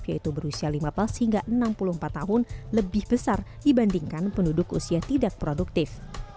yaitu berusia lima belas hingga enam puluh empat tahun lebih besar dibandingkan penduduk usia tidak produktif